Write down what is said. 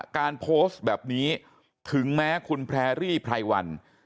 การโพสต์แบบนี้ถึงแม้คุณแพรรี่ไพรวัน